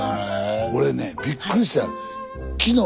俺ねびっくりした。